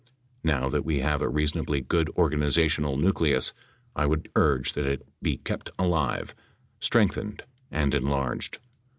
Now that we have a reasonably good organiza tional nucleus, I would urge that it be kept alive, strengthened and enlarged.